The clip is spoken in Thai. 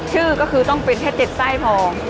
ชื่อก็คือต้องเป็นแค่๗ไส้พอ